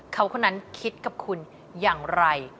เขาคนนั้นคิดกับคุณอย่างไร